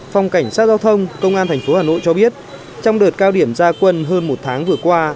phòng cảnh sát giao thông công an tp hà nội cho biết trong đợt cao điểm gia quân hơn một tháng vừa qua